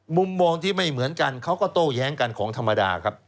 มุมมองที่ไม่เหมือนกันเขาก็โต้แย้งกันของธรรมดาครับ